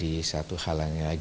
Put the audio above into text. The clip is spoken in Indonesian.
samaan n tuh semakin terujang